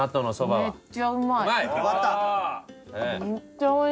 めっちゃうまい？